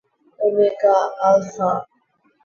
Omega, alpha!